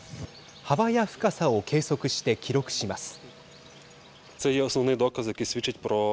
幅や深さを計測して記録します。